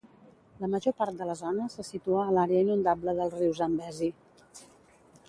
La major part de la zona se situa a l'àrea inundable del riu Zambezi.